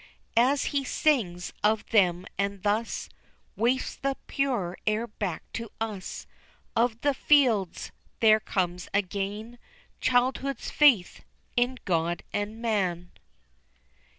As he sings of them, and thus Wafts the pure air back to us Of the fields, there comes again Childhood's faith in God and man.